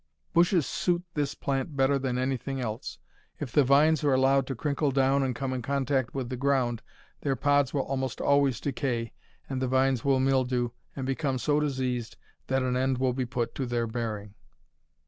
Bushes suit this plant better than anything else. If the vines are allowed to crinkle down and come in contact with the ground their pods will almost always decay, and the vines will mildew and become so diseased that an end will be put to their bearing.